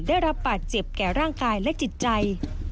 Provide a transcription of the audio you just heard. ได้รับบาดเจ็บแก่ร่างกายและจิตใจ